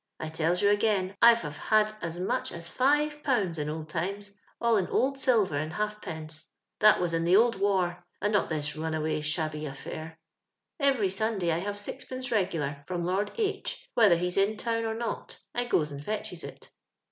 I tells you again I've have had as much as 5/. in old times, all in old silver and halfpence; that WAH in the old wfir, and not this nm away sliabby affiiir. " P^'cry Simday I have sixpence regular fi om Loi*d H , wliether he's in town or not. I goes and fetches it.